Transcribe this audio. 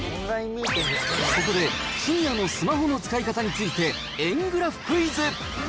そこでシニアのスマホの使い方について、円グラフクイズ。